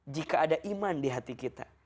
jika ada iman di hati kita